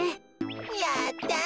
やった！